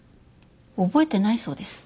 覚えてないそうです。